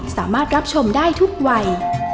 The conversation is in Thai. สามารถรับชมได้ทุกวัย